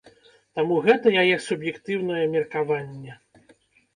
Таму гэта яе суб'ектыўнае меркаванне.